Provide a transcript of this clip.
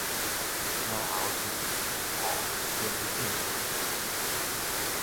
嚨喉疼、吐等症頭